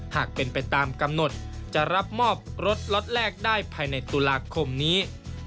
หากเป็นไปตามกำหนดจะรับมอบรถล็อตแรกได้ภายในตุลาคมนี้